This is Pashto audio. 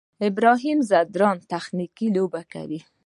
ابراهیم ځدراڼ تخنیکي لوبه کوي.